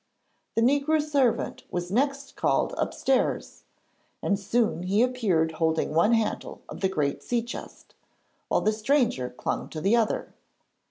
The negro servant was next called upstairs, and soon he appeared holding one handle of the great sea chest, while the stranger clung to the other.